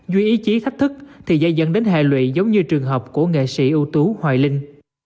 duy ý chí thách thức thì dây dần đến hệ lụy giống như trường hợp của nghệ sĩ ưu tú hoài linh